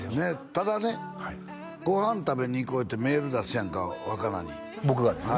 ただねご飯食べに行こうってメール出すやんか若菜に僕がですね？